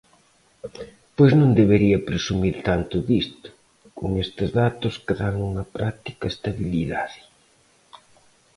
Pois non debería presumir tanto disto, con estes datos que dan unha practica estabilidade.